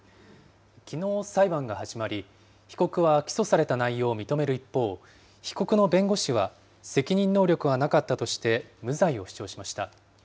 きのう裁判が始まり、被告は起訴された内容を認める一方、被告の弁護士は、責任能力はなかったとして、無罪を主張しました。